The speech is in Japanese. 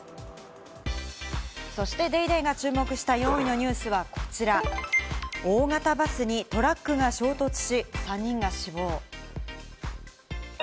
そして『ＤａｙＤａｙ．』が注目した４位のニュースはこちら、大型バスにトラックが衝突し、３人が死亡。